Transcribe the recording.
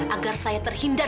agar saya terhindar